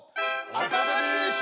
アカデミー賞！